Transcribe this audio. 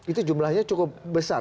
itu jumlahnya cukup besar